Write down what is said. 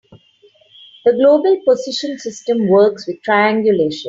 The global positioning system works with triangulation.